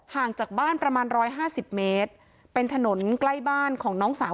ห่างจากบ้านประมาณ๑๕๐เมตรเป็นถนนใกล้บ้านของน้องสาว